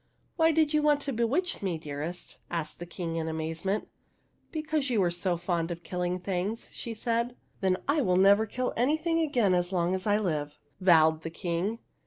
" Why did you want to bewitch me, dearest ?" asked the King, in amazement " Because you were so fond of killing things," she said. '' Then I will never kill anything again as long as I live !" vowed the King.